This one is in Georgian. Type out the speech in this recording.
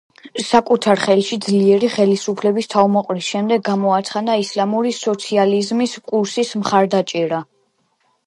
საკუთარ ხელში ძლიერი ხელისუფლების თავმოყრის შემდეგ გამოაცხადა ისლამური სოციალიზმის კურსის მხარდაჭერა.